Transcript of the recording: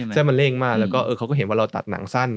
เส้นมันเร่งมากแล้วก็เขาก็เห็นว่าเราตัดหนังสั้น